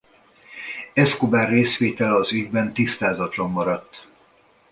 Escobar részvétele az ügyben tisztázatlan maradt.